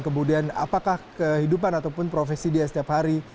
kemudian apakah kehidupan ataupun profesi dia setiap hari